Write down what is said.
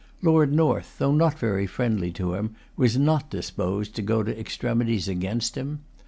Lord North, though not very friendly to him, was not disposed to go to extremities against him.